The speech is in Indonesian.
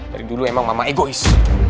dari dulu emang mama egois